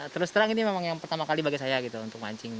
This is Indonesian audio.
terus terang ini memang yang pertama kali bagi saya gitu untuk mancing